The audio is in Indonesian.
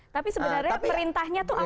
tapi sebenarnya perintahnya tuh apa